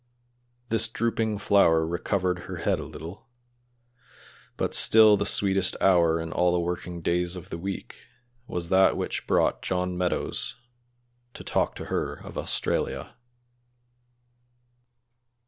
This drooping flower recovered her head a little, but still the sweetest hour in all the working days of the week was that which brought John Meadows to talk to her of Australia.